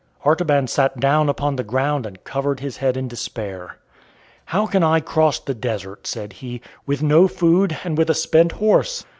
Artaban sat down upon the ground and covered his head in despair. "How can I cross the desert," said he, "with no food and with a spent horse?